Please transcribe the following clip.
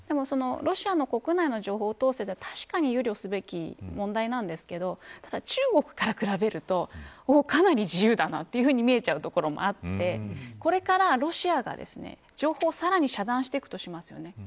ロシアの国内の情報統制って確かに憂慮すべき問題なんですがただ、中国から比べるとかなり自由だなと見えちゃうところもあってこれからロシアが情報をさらに遮断していくとしますよね。